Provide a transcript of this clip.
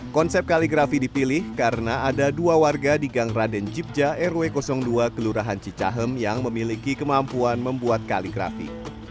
konsep kaligrafi dipilih karena ada dua warga di gang raden jibja rw dua kelurahan cicahem yang memiliki kemampuan membuat kaligrafi